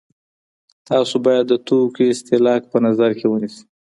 تاسو باید د توکو استهلاک په نظر کي ونیسئ.